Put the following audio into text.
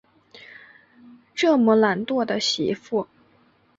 这么懒惰的媳妇